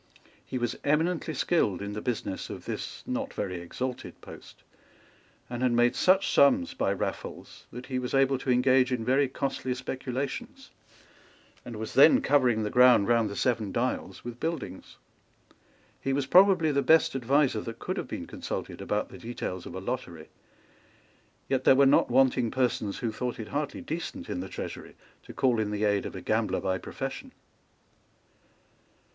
He was eminently skilled in the business of this not very exalted post, and had made such sums by raffles that he was able to engage in very costly speculations, and was then covering the ground round the Seven Dials with buildings. He was probably the best adviser that could have been consulted about the details of a lottery. Yet there were not wanting persons who thought it hardly decent in the Treasury to call in the aid of a gambler by profession.